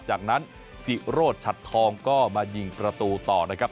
จากนั้นสิโรธฉัดทองก็มายิงประตูต่อนะครับ